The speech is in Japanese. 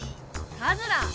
カズラー！